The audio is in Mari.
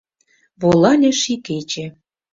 Волале ший кече.